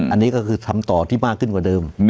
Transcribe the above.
อันนี้ก็คือทำต่อที่มากขึ้นกว่าเดิม